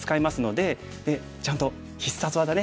でちゃんと必殺技ね。